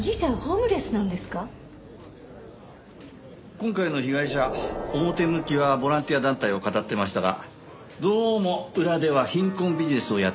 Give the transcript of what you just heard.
今回の被害者表向きはボランティア団体をかたってましたがどうも裏では貧困ビジネスをやってたみたいでしてね。